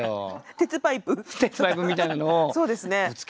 鉄パイプみたいなのをぶつけて。